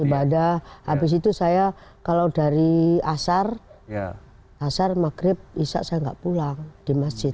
iya ibadah habis itu saya kalau dari asar asar maghrib bisa saya gak pulang di masjid aja